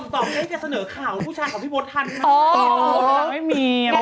ต่อได้แกเสนอข่าวผู้ชายของพี่โบ๊ททัน